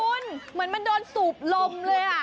คุณเหมือนมันโดนสูบลมเลยอ่ะ